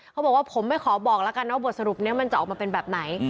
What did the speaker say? เขาบอกว่าผมไม่ขอบอกแล้วกันว่าบทสรุปนี้มันจะออกมาเป็นแบบไหน